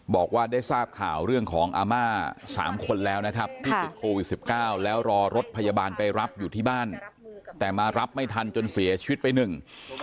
บอกว่าได้ทราบข่าวเรื่องของอาม่าสามคนแล้วนะครับที่ติดโควิดสิบเก้าแล้วรอรถพยาบาลไปรับอยู่ที่บ้านแต่มารับไม่ทันจนเสียชีวิตไปหนึ่ง